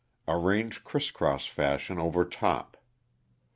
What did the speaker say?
Arrange crisscross fashion over top.